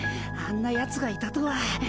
あんなやつがいたとは。